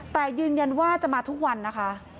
แต่ยืนยันว่าจะมาทุกวันนะคะ